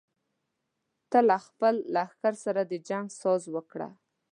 ته له خپل لښکر سره د جنګ ساز وکړه.